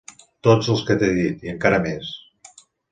- Tots els que t'he dit i encara més.